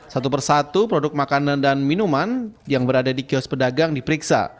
satu persatu produk makanan dan minuman yang berada di kios pedagang diperiksa